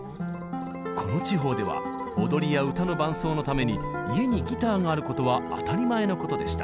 この地方では踊りや歌の伴奏のために家にギターがあることは当たり前のことでした。